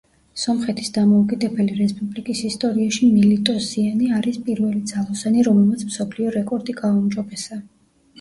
სომხეთის დამოუკიდებელი რესპუბლიკის ისტორიაში მილიტოსიანი არის პირველი ძალოსანი რომელმაც მსოფლიო რეკორდი გააუმჯობესა.